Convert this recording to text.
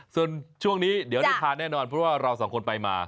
ส่วนช่วงนี้เดี๋ยวได้ทานแน่นอนเพราะว่าเราสองคนไปมา